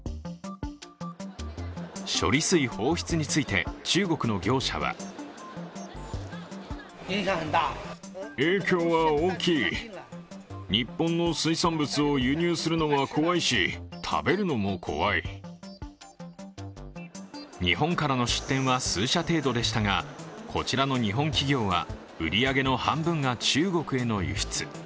処理水放出について、中国の業者は日本からの出展は数社程度でしたがこちらの日本企業は売り上げの半分が中国への輸出。